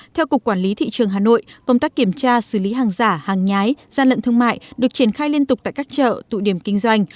theo cục quản lý thị trường hà nội công tác kiểm tra xử lý hàng giả hàng nhái gian lận thương mại được triển khai liên tục tại các chợ tụ điểm kinh doanh